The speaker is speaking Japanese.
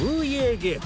ゲーム